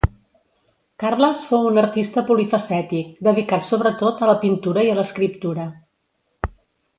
Carles fou un artista polifacètic, dedicat sobretot a la pintura i a l'escriptura.